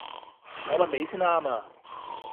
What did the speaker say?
我問你先啱啊！